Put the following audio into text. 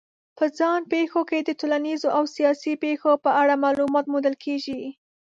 په ځان پېښو کې د ټولنیزو او سیاسي پېښو په اړه معلومات موندل کېږي.